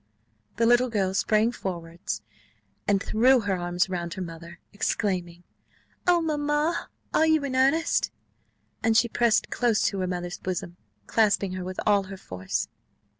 The little girl sprang forwards, and threw her arms round her mother, exclaiming, "Oh, mamma, are you in earnest?" and she pressed close to her mother's bosom, clasping her with all her force.